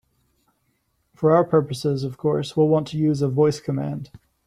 For our purposes, of course, we'll want to use a voice command.